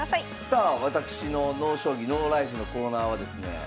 さあ私の「ＮＯ将棋ＮＯＬＩＦＥ」のコーナーはですね